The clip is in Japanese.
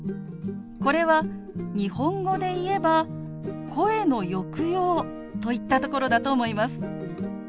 これは日本語でいえば声の抑揚といったところだと思います。